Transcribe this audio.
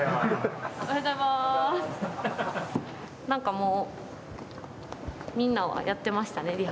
何かもうみんなはやってましたね